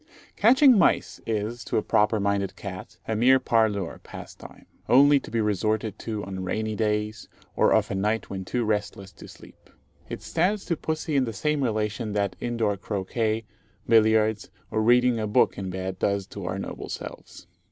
Catching mice is, to a proper minded cat, a mere parlour pastime, only to be resorted to on rainy days, or of a night when too restless to sleep. It stands to pussy in the same relation that indoor croquet, billiards, or reading a book in bed does to our noble selves.